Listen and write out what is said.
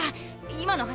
今の話